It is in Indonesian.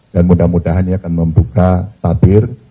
dan mudah mudahan ini akan membuka tabir